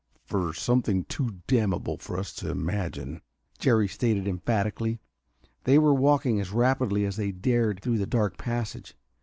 "For something too damnable for us to imagine," Jerry stated emphatically. They were walking as rapidly as they dared through the dark passage.